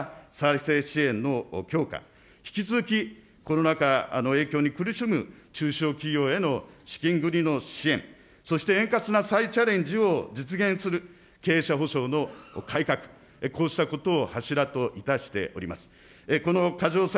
さらには融資の資本制、化支援の、債務援助を含む、中小企業活性化協議会を軸とした再生支援の強化、引き続き、コロナ禍の影響に苦しむ中小企業への資金繰りの支援、そして円滑な再チャレンジを実現する経営者保障の改革、こうしたことを柱といたしております。